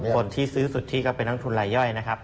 คนที่ซื้อสุทธิก็เป็นนักทุนรายย่อยนะครับ